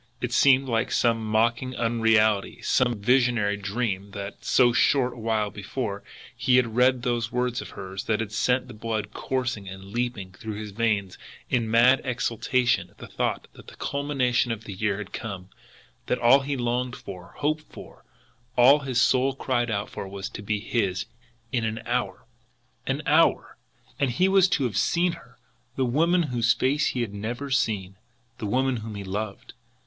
It seemed like some mocking unreality, some visionary dream that, so short a while before, he had read those words of hers that had sent the blood coursing and leaping through his veins in mad exultation at the thought that the culmination of the years had come, that all he longed for, hoped for, that all his soul cried out for was to be his "in an hour." An HOUR and he was to have seen her, the woman whose face he had never seen, the woman whom he loved!